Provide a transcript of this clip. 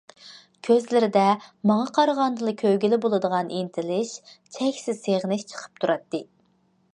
كۆزلىرىدە ماڭا قارىغاندىلا كۆرگىلى بولىدىغان ئىنتىلىش، چەكسىز سېغىنىش چىقىپ تۇراتتى.